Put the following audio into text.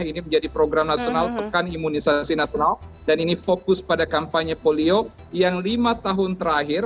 ini menjadi program nasional pekan imunisasi nasional dan ini fokus pada kampanye polio yang lima tahun terakhir